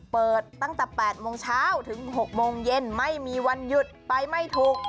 เปิดตั้งแต่๘โมงเช้าถึง๖โมงเย็นไม่มีวันหยุดไปไม่ถูก